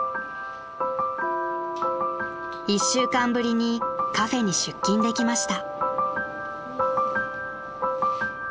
［一週間ぶりにカフェに出勤できました］